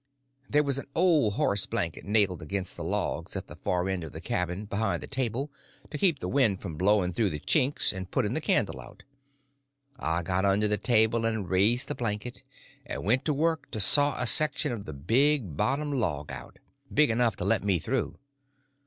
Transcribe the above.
There was an old horse blanket nailed against the logs at the far end of the cabin behind the table, to keep the wind from blowing through the chinks and putting the candle out. I got under the table and raised the blanket, and went to work to saw a section of the big bottom log out—big enough to let me through.